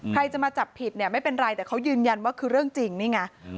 ใครจะมาจับผิดเนี่ยไม่เป็นไรแต่เขายืนยันว่าคือเรื่องจริงนี่ไง